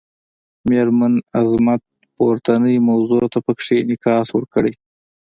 میرمن عظمت پورتنۍ موضوع ته پکې انعکاس ورکړی.